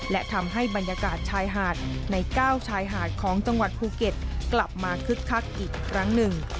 และทำให้บรรยากาศชายหาดใน๙ชายหาดของจังหวัดภูเก็ตกลับมาคึกคักอีกครั้งหนึ่ง